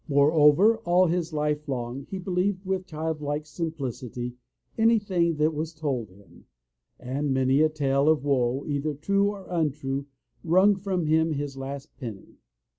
Moreover, all his life long he believed with childlike simplicity anything that was told him, and many a tale of woe, either true or untrue, wrung from him his last penny.